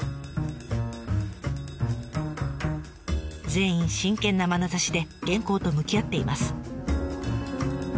全員真剣なまなざしで原稿と向き合っています。